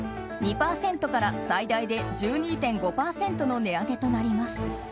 ２％から最大で１２．５％の値上げとなります。